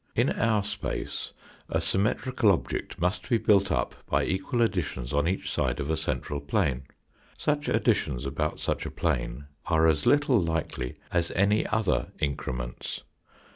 In our space a symmetrical object must be built up by equal additions on each side of a central plane. Such additions about such a plane are as little likely as any other increments.